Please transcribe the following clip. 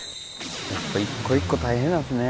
やっぱ一個一個大変なんですね。